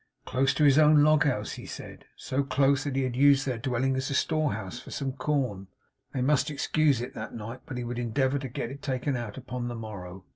Close to his own log house, he said; so close that he had used their dwelling as a store house for some corn; they must excuse it that night, but he would endeavour to get it taken out upon the morrow.